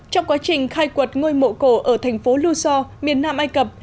trong quá trình khai quật ngôi mộ cổ ở thành phố lusor miền nam ai cập